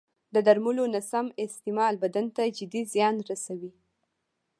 د درملو نه سم استعمال بدن ته جدي زیان رسوي.